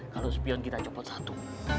kalau sepion kita copot satu